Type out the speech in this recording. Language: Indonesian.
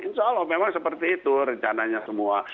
insya allah memang seperti itu rencananya semua